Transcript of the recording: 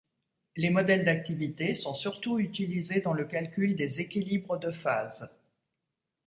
Les modèles d'activité sont surtout utilisés dans le calcul des équilibres de phases.